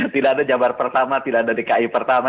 tidak ada jabar pertama tidak ada dki pertama